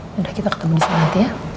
ya udah kita ketemu disana nanti ya